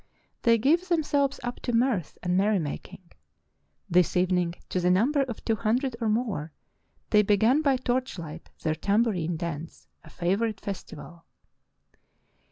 They give themselves up to mirth and merrymaking. This evening, to the number of two hundred or more, they began by torch light their tam bourine dance, a favorite festival.